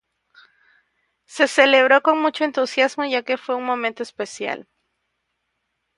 Se celebró con mucho entusiasmo, ya que fue un momento especial.